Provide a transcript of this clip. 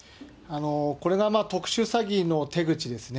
これが特殊詐欺の手口ですね。